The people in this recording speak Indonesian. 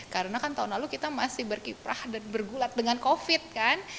karena kan tahun lalu kita masih berkiprah dan bergulat dengan covid kan